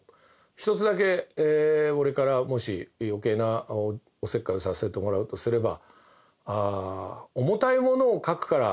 １つだけ俺からもし余計なおせっかいをさせてもらうとすれば。